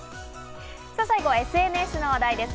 最後はＳＮＳの話題です。